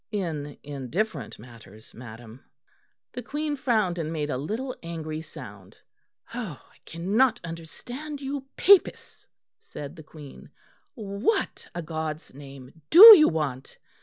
'" "In indifferent matters, madam." The Queen frowned and made a little angry sound. "I cannot understand you Papists," said the Queen. "What a God's name do you want?